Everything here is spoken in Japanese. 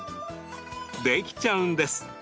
できちゃうんです！